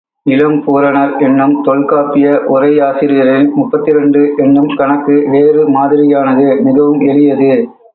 இளம்பூரணர் என்னும் தொல்காப்பிய உரையாசிரியரின் முப்பத்திரண்டு என்னும் கணக்கு வேறு மாதிரியானது மிகவும் எளியது.